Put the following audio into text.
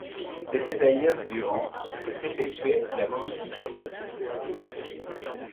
C'était d'ailleurs durant que s'effectuait la momification.